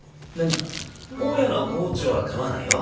大家の郷長は構わないよ。